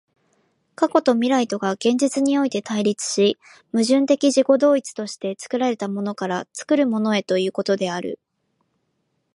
過去と未来とが現在において対立し、矛盾的自己同一として作られたものから作るものへということである。